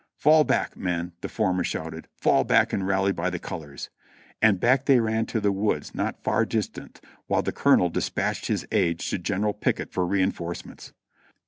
"Fall back, men !*' the former shouted. "Fall back and rally by the colors !" And back they ran to the woods not far distant, while the colonel dispatched his aides to General Pickett for reinforce ments.